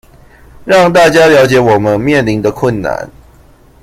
讓大家了解我們面臨的困難